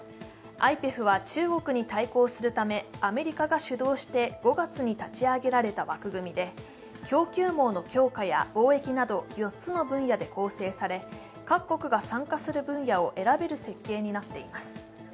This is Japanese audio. ＩＰＥＦは中国に対抗するためアメリカが主導して５月に立ち上げられた枠組みで供給網の強化や貿易など４つの分野で構成され各国が参加する分野を選べる設計になっています。